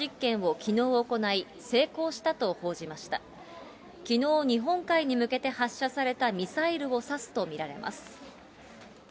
きのう、日本海に向けて発射されたミサイルをさすと見られます。